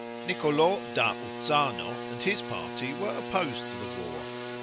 Niccolo da Uzzano and his party were opposed to the war.